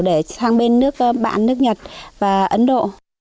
để sang bên nước bạn nước nhật và ấn độ